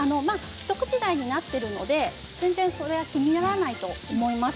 一口大になっているので全然気にならないと思います。